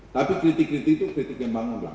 tapi kritik kritik itu kritik yang bangun lah